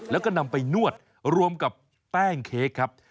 แล้วก็นำไปนวดรวมกับแป้งเค้กครับ